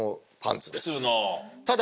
ただ。